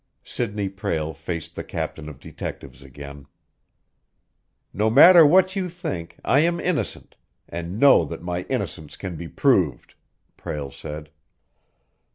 Sidney Prale faced the captain of detectives again. "No matter what you think, I am innocent, and know that my innocence can be proved," Prale said.